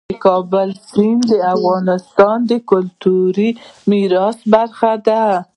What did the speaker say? د کابل سیند د افغانستان د کلتوري میراث برخه ده.